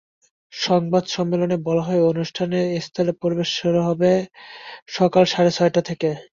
সংবাদ সম্মেলনে বলা হয়, অনুষ্ঠান স্থলে প্রবেশ শুরু হবে সকাল সাড়ে ছয়টা থেকে।